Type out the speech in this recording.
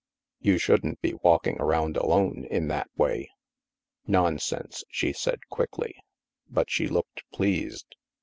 " You shouldn't be walking around alone, in that way." "Nonsense," she said quickly, but she looked pleased.